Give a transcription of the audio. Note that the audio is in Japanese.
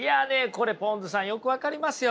これぽんづさんよく分かりますよ。